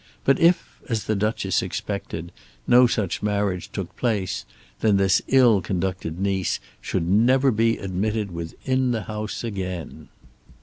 But if, as the Duchess expected, no such marriage took place, then this ill conducted niece should never be admitted within the house again.